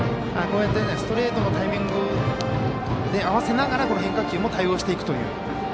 こうやってストレートのタイミングで合わせながら変化球も対応していくという。